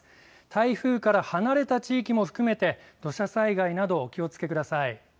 台風から離れた地域も含めて土砂災害などお気をつけください。